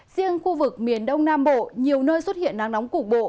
riêng khu vực miền đông nam bộ nhiều nơi xuất hiện nắng nóng cục bộ